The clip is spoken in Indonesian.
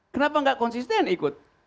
kenapa gak konsisten ikut